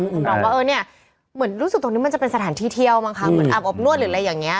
สำรองว่าเออเนี่ยเหมือนรู้สึกตรงนี้มันจะเป็นสถานที่เที่ยวมั้งคะเหมือนอาบอบนวดหรืออะไรอย่างนี้